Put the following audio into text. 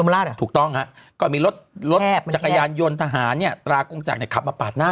ลุงเบียวเบอร์ล่ามันแคบมากนะ